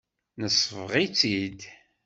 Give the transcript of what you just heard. Nesbeɣ-itt-id.